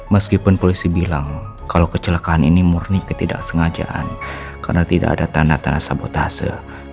meskipun polisi bilang kalau kecelakaan ini murni ketidaksengajaan karena tidak ada tanda tanda sabotase